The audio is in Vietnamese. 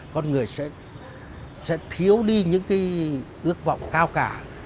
con người sẽ thiếu đi những cái ước vọng cao cả